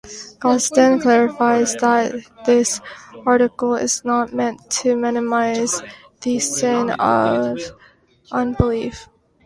Gosden clarifies that this article is not meant to minimize the sin of unbelief.